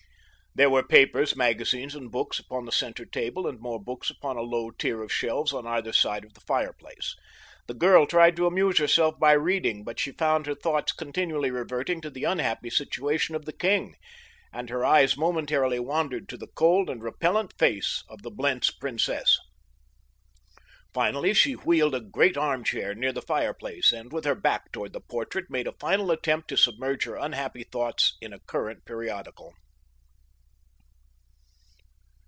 There were papers, magazines and books upon the center table and more books upon a low tier of shelves on either side of the fireplace. The girl tried to amuse herself by reading, but she found her thoughts continually reverting to the unhappy situation of the king, and her eyes momentarily wandered to the cold and repellent face of the Blentz princess. Finally she wheeled a great armchair near the fireplace, and with her back toward the portrait made a final attempt to submerge her unhappy thoughts in a current periodical.